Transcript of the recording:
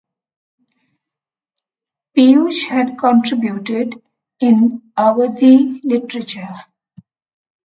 Piyush had contributed in Awadhi literature.